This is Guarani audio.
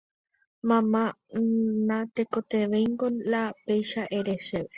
Mama natekotevẽingo la péicha ere chéve